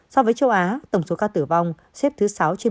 so với châu á tổng số ca tử vong xếp thứ sáu trên bốn mươi chín xếp thứ ba asean